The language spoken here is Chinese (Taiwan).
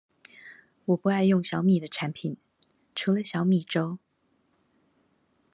我不愛用小米的產品，除了小米粥